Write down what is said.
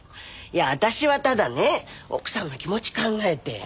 いや私はただね奥さんの気持ち考えて。